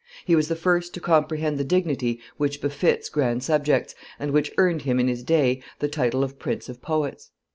He was the first to comprehend the dignity which befits grand subjects, and which earned him in his day the title of Prince of poets.